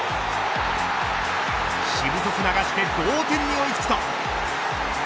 しぶとく流して同点に追い付くと。